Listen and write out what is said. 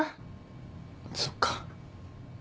そっか。